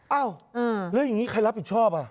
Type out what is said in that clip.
เอ้าเออเรื่องอย่างงี้ใครรับผิดชอบอะ